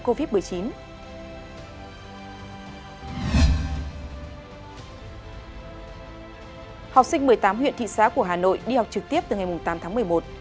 học sinh một mươi tám huyện thị xã của hà nội đi học trực tiếp từ ngày tám tháng một mươi một